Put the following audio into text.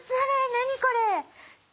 何これ！